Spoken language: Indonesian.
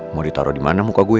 mau ditaro dimana muka gue